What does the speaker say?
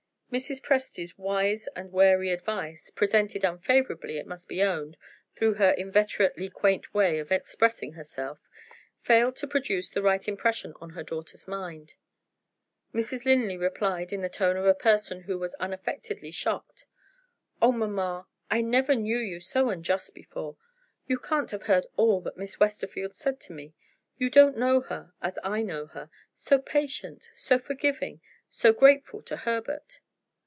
Mrs. Presty's wise and wary advice (presented unfavorably, it must be owned, through her inveterately quaint way of expressing herself) failed to produce the right impression on her daughter's mind. Mrs. Linley replied in the tone of a person who was unaffectedly shocked. "Oh, mamma, I never knew you so unjust before! You can't have heard all that Miss Westerfield said to me. You don't know her, as I know her. So patient, so forgiving, so grateful to Herbert."